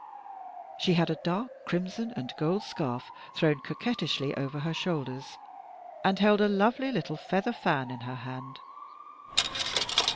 She had a dark crimson and gold scarf thrown coquettishly over her shoulders, and held a lovely little feather fan in her hand.